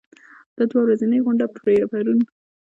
دا دوه ورځنۍ غونډه پرون